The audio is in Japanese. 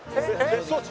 別荘地。